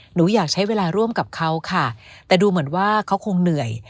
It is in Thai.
หนูอยากใช้เวลาร่วมกับเขาค่ะแต่ดูเหมือนว่าเขาคงเหนื่อย